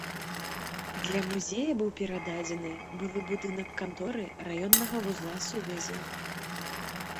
Для музея быў перададзены былы будынак канторы раённага вузла сувязі.